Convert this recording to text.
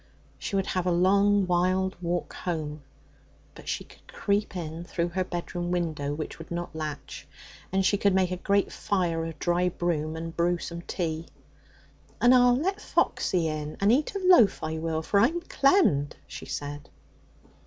She would have a long, wild walk home, but she could creep in through her bedroom window, which would not latch, and she could make a great fire of dry broom and brew some tea. 'And I'll let Foxy in and eat a loaf, I will, for I'm clemmed!' she said.